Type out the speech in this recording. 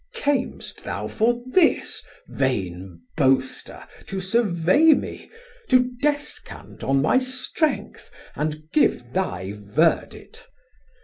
Sam: Cam'st thou for this, vain boaster, to survey me, To descant on my strength, and give thy verdit?